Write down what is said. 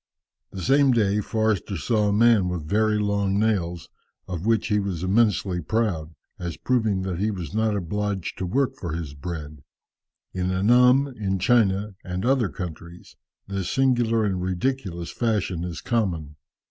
The same day Forster saw a man with very long nails, of which he was immensely proud, as proving that he was not obliged to work for his bread. In Annam, in China and other countries, this singular and ridiculous fashion is common.